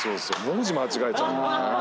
文字間違えちゃうんだよね。